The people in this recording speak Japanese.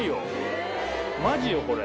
マジよこれ。